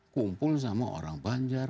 kumpul sama orang banjar